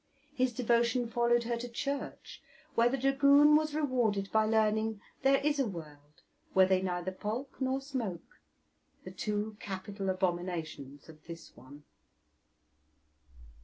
His devotion followed her to church, where the dragoon was rewarded by learning there is a world where they neither polk nor smoke, the two capital abominations of this one.